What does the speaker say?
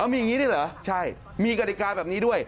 มีอย่างนี้หรือใช่มีกรรดิกาแบบนี้ด้วย